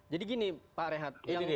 jadi gini pak rehat